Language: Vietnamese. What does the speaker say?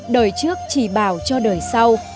đời trước chỉ bảo cho đời sau